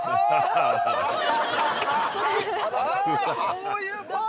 そういうこと？